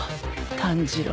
炭治郎。